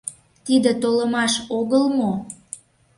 Тиде толымаш огыл мо?